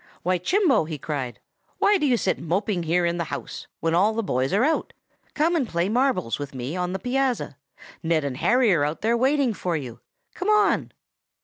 'Why, Chimbo!' he cried. 'Why do you sit moping here in the house, when all the boys are out? Come and play marbles with me on the piazza. Ned and Harry are out there waiting for you. Come on!